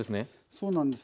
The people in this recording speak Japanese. そうなんです。